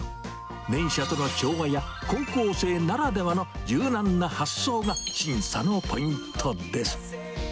電車との調和や、高校生ならではの柔軟な発想が審査のポイントです。